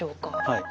はい。